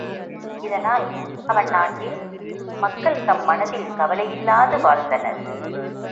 இதனால், அவன் நாட்டில், மக்கள் தம் மனத்தில் கவலையில்லாது வாழ்ந்தனர்.